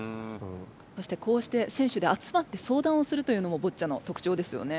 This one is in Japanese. そしてこうして選手で集まって相談をするというのもボッチャのとくちょうですよね。